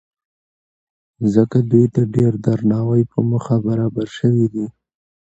ځکه دوی ته د ډېر درناوۍ په موخه برابر شوي دي.